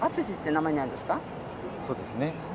そうですね。